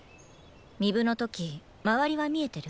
巫舞の時周りは見えてる？